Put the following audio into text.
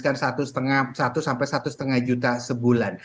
mungkin itu dia bisa habiskan satu sampai satu lima juta sebulan